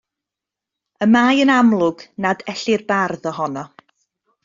Y mae yn amlwg nad ellir bardd ohono.